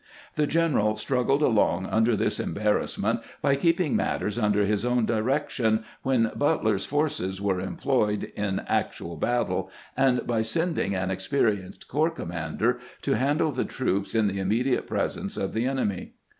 The general struggled along under this embarrassment by keeping matters under his own direction when Butler's forces were employed in actual battle, and by sending an experienced corps commander to handle the troops in the immediate presence of the enemy.